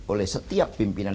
oleh setiap pimpinan